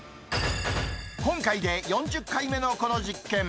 今回で４０回目のこの実験。